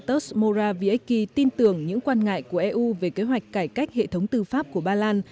osmora wiecki tin tưởng những quan ngại của eu về kế hoạch cải cách hệ thống tư pháp của bà lan